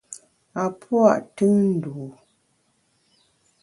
A pua’ tùn ndû.